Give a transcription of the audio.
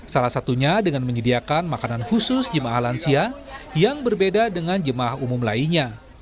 salah satunya dengan menyediakan makanan khusus jemaah lansia yang berbeda dengan jemaah umum lainnya